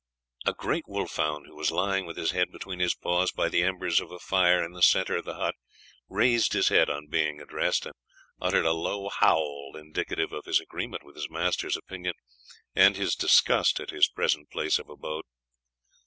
A great wolf hound, who was lying with his head between his paws by the embers of a fire in the centre of the hut, raised his head on being addressed, and uttered a low howl indicative of his agreement with his master's opinion and his disgust at his present place of abode.